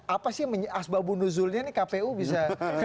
apa sih asbabunuzulnya nih kpu bisa